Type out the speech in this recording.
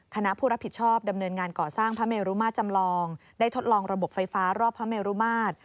คณะผู้รับผิดชอบดำเนินงานก่อสร้างพระเมรุมาตรจำลองได้ทดลองระบบไฟฟ้ารอบพระเมรุมาตร